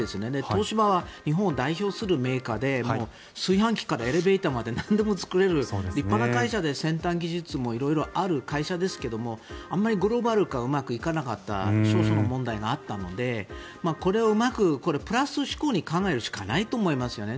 東芝は日本を代表するメーカーで炊飯器からエレベーターまでなんでも作れる立派な会社で先端技術も色々ある会社ですけどあまりグローバル化がうまくいかなかった少々の問題があったのでこれをうまくプラス思考に考えるしかないと思いますよね。